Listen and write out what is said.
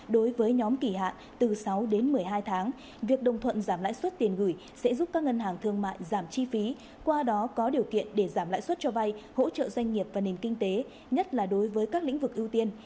đối với nhóm kỳ hạn từ sáu đến một mươi hai tháng việc đồng thuận giảm lãi suất tiền gửi sẽ giúp các ngân hàng thương mại giảm chi phí qua đó có điều kiện để giảm lãi suất cho vay hỗ trợ doanh nghiệp và nền kinh tế nhất là đối với các lĩnh vực ưu tiên